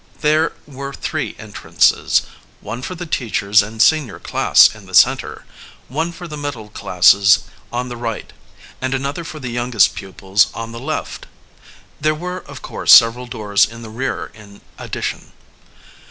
There were three entrances one for the teachers and senior class in the center, one for the middle classes on the right, and another for the youngest pupils on the left. There were, of course, several doors in the rear in addition.